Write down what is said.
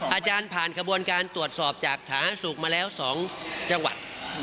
อาจารย์ผ่านกระบวนการตรวจสอบจากฐานสุขมาแล้ว๒จังหวัด